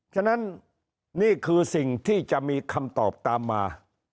ฉะนั้นนี่คือสิ่งที่จะมีคำตอบตามมา